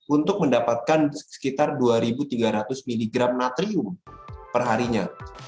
untuk mendapatkan sekitar dua tiga ratus miligram natrium perharinya